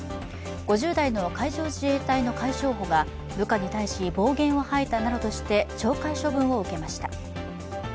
５０代の海上自衛隊の海将補が暴言を吐いたなどとして懲戒処分を受けました。